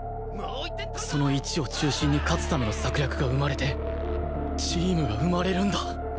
その１を中心に勝つための策略が生まれてチームが生まれるんだ